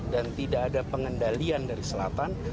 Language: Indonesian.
dan tidak ada pengendalian dari selatan